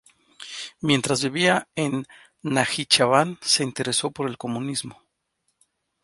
Mientras vivía en Najicheván, se interesó por el comunismo.